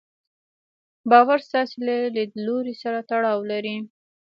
باور ستاسې له ليدلوري سره تړاو لري.